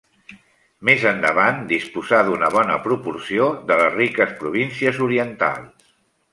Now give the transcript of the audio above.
Més endavant, disposà d'una bona proporció de les riques províncies orientals.